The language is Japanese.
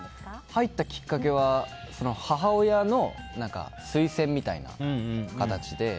入ったきっかけは母親の推薦みたいな形で。